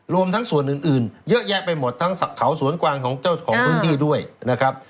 รวมทั้งส่วนอื่นเยอะแยะไปหมดทั้งเขาสวนกวางของเจ้าของพื้นที่ด้วยนะครับ